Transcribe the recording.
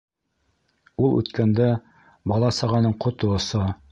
Ул үткәндә бала-сағаның ҡото оса.